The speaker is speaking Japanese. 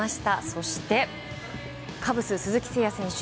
そして、カブス、鈴木誠也選手